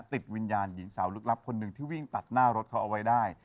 ติดวิญญาณหญิงสาวลึกลับคนหนึ่งที่วิ่งตัดหน้ารถเขาเอาไว้ได้